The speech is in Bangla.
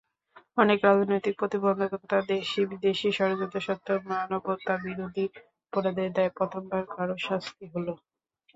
অনেক রাজনৈতিক প্রতিবন্ধকতা, দেশি-বিদেশি ষড়যন্ত্র সত্ত্বেও মানবতাবিরোধী অপরাধের দায়ে প্রথমবার কারও শাস্তি হলো।